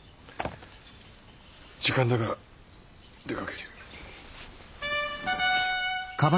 時間だから出かけるよ。